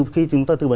khi chúng ta tư vấn